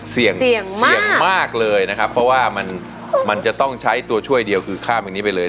เสี่ยงเสี่ยงมากเลยนะครับเพราะว่ามันมันจะต้องใช้ตัวช่วยเดียวคือข้ามเพลงนี้ไปเลย